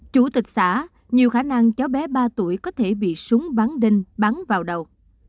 chủ tịch xã nhiều khả năng cháu bé ba tuổi có thể bị súng bắn đinh bắn vào đầu